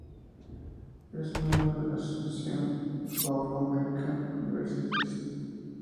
Es miembro de la Association of American Universities.